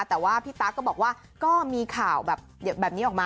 แต่ว่าพี่ตั๊กก็บอกว่าก็มีข่าวแบบนี้ออกมา